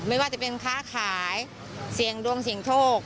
ไม่ว่าจะเป็นค้าขายเสียงดวงเสี่ยงโชค